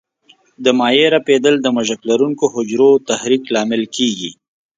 د مایع رپېدل د مژک لرونکو حجرو تحریک لامل کېږي.